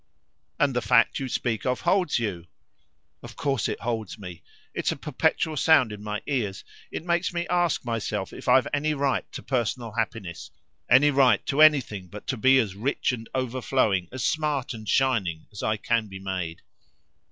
"And the fact you speak of holds you!" "Of course it holds me. It's a perpetual sound in my ears. It makes me ask myself if I've any right to personal happiness, any right to anything but to be as rich and overflowing, as smart and shining, as I can be made."